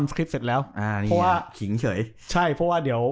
ทำทริปเสร็จแล้วอ่านแต่ว่าใช่เพราะว่าเดี๋ยว